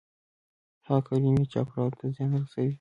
هغه کلمې چې افرادو ته زیان رسوي.